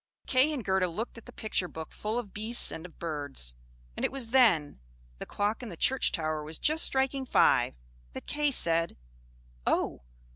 Kay and Gerda looked at the picture book full of beasts and of birds; and it was then the clock in the church tower was just striking five that Kay said, "Oh!